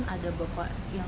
ada yang bapak lihat